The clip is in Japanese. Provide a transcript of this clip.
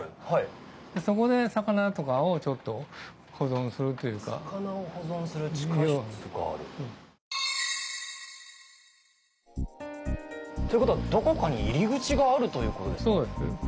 はいそこで魚とかをちょっと保存するというか魚を保存する地下室があるということはどこかに入り口があるということですか？